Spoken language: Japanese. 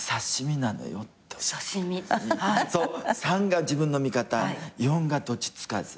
３が自分の味方４がどっちつかず。